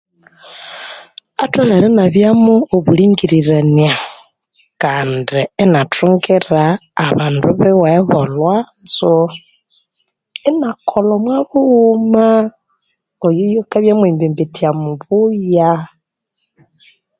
Atholere inabyamo obulingirirania kandi inathungira abandu biwe bo olhwanzu inakolha omwa bughuma oyu yukabya mwembembetya mubuya.